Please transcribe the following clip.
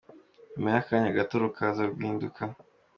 nyuma y’akanya gato rukaza guhinduka.